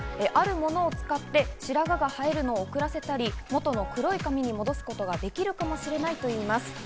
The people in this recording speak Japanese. あるものを使って白髪が生えるのを遅らせたり、元の黒い髪に戻すことができるかもしれないといいます。